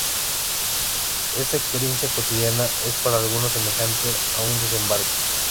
Esta experiencia cotidiana es para algunos semejante a un desembarco.